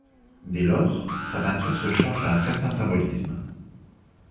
Dès lors, sa peinture se charge d'un certain symbolisme.